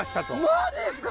マジっすか！？